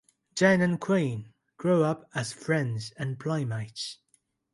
Jane and Queen grow up as friends and playmates.